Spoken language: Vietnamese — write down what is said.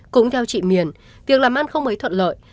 cũng theo chị miền việc làm ăn không mấy thuận lợi